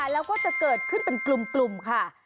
แล้วก็จะเกิดขึ้นเป็นกลุ่มค่ะ